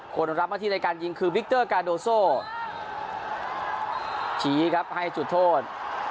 คนรับหน้าที่ในการยิงคือวิกเตอร์กาโดโซชี้ครับให้จุดโทษ